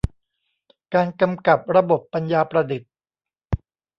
การกำกับระบบปัญญาประดิษฐ์